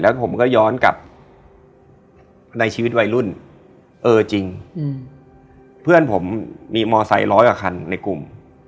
แล้วผมก็ย้อนกลับในชีวิตวัยรุ่นเออจริงเพื่อนผมมีมอไซค์ร้อยกว่าคันในกลุ่ม